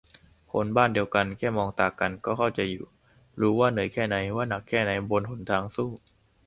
คนบ้านเดียวกัน แค่มองตากันก็เข้าใจอยู่ รู้ว่าเหนื่อยแค่ไหน ว่าหนักแค่ ไหนบนหนทางสู้